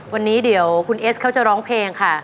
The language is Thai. วันนี้เดี๋ยวคุณเอสเขาจะร้องเพลงค่ะ